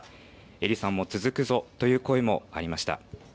英利さんも続くぞという声もありました。